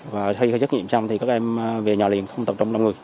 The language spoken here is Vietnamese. và khi xét nghiệm xong thì các em về nhà liền không tập trong đồng người